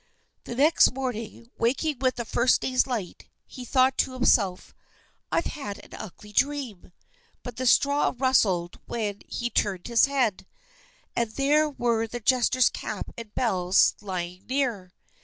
The next morning, waking with the day's first light, he thought to himself: "I've had an ugly dream." But the straw rustled when he turned his head, and there were the jester's cap and bells lying near.